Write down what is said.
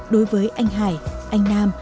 đối với anh hải anh nam